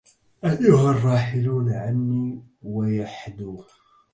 أيها الراحلون عني ويحدو